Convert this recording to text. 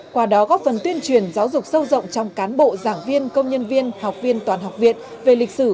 qua đó góp phần tuyên truyền giáo dục sâu rộng trong cán bộ giảng viên công nhân viên học viên toàn học viện về lịch sử